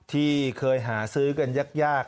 ที่เคยหาซื้อกันยาก